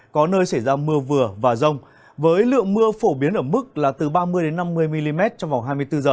có nơi xảy ra mưa vừa và rông với lượng mưa phổ biến ở mức là từ ba mươi năm mươi mm trong vòng hai mươi bốn h